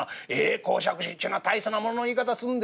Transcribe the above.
講釈師ちゅうのは大層な物の言い方すんで。